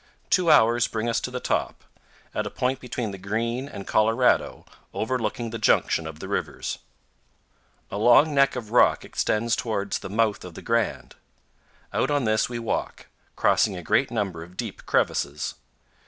Two hours bring us to the top, at a point between the Green and Colorado overlooking the junction of the rivers. A long neck of rock extends toward the mouth of the Grand. Out on this we walk, crossing a great number of deep crevices.